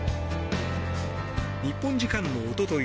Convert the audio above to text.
日本時間のおととい